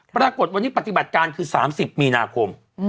ปรากฏวันนี้ปฏิบัติการคือ๓๐มีนาคม